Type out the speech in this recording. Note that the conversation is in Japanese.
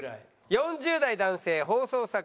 ４０代男性放送作家